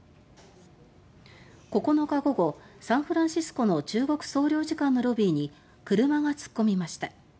９日午後サンフランシスコの中国総領事館のロビーに車が突っ込みました。